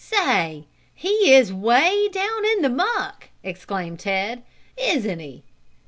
"Say, he is 'way down in the muck!" exclaimed Ted. "Isn't he?"